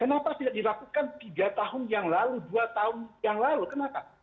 kenapa tidak dilakukan tiga tahun yang lalu dua tahun yang lalu kenapa